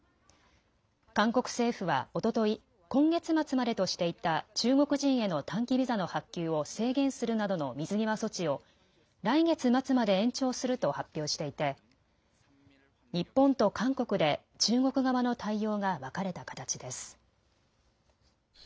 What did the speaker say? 韓国政府はおととい、今月末までとしていた中国人への短期ビザの発給を制限するなどの水際措置を来月末まで延長すると発表していて日本と韓国で中国側の対応が分かれた形です。